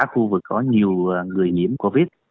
khu vực có nhiều người nhiễm covid